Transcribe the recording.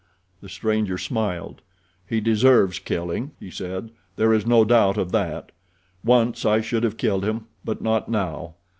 The stranger smiled. "He deserves killing," he said. "There is no doubt of that. Once I should have killed him; but not now.